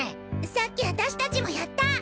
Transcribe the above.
さっき私たちもやった！